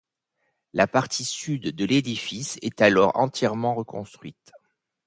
La partie sud de l'édifice est alors entièrement reconstruite.